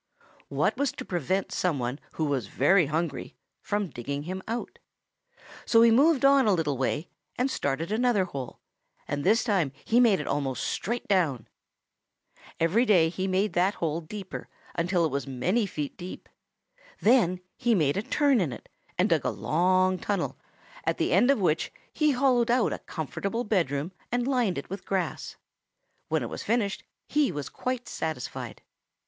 What was to prevent some one who was very hungry from digging him out? So he moved on a little way and started another hole, and this time he made it almost straight down. Every day he made that hole deeper until it was many feet deep. Then he made a turn in it and dug a long tunnel, at the end of which he hollowed out a comfortable bedroom and lined it with grass. When it was finished he was quite satisfied.